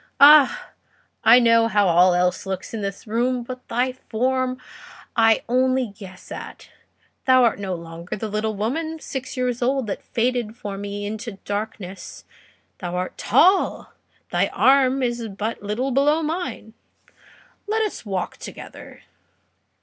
Ah! I know how all else looks in this room, but thy form I only guess at. Thou art no longer the little woman six years old, that faded for me into darkness; thou art tall, and thy arm is but little below mine. Let us walk together."